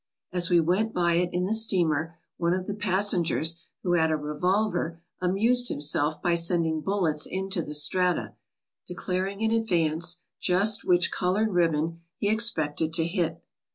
As we went by it in the steamer one of the passengers who had a revolver amused himself by sending bullets into the strata, declaring in advance just which coloured ribbon he expected to hit.